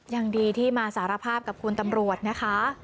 ยังดีที่มาสารภาพกับคุณตำรวจนะคะ